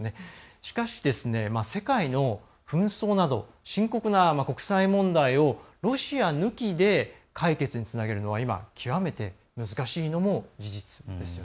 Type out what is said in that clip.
しかし、世界の紛争など深刻な国際問題をロシア抜きで解決につなげるのは今、極めて難しいのも事実です。